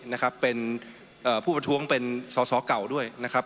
นะครับเป็นเอ่อผู้ประท้วงเป็นสอสอเก่าด้วยนะครับ